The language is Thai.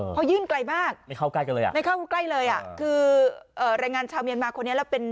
เพราะยื่นไกลมากไม่เข้าใกล้เลยคือรายงานชาวเมียนมาคนนี้แล้วเป็น